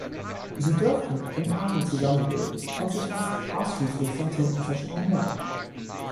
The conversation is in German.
Sie dürften in Paaren zusammenleben und sich fast ausschließlich von Tintenfischen ernähren.